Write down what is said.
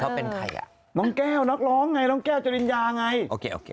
เขาเป็นใครอ่ะน้องแก้วนักร้องไงน้องแก้วจริญญาไงโอเคโอเค